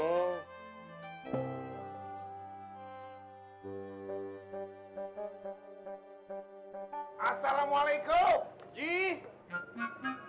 assalamualaikum ji ji assalamualaikum